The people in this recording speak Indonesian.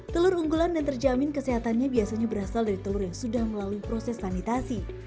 telur unggulan dan terjamin kesehatannya biasanya berasal dari telur yang sudah melalui proses sanitasi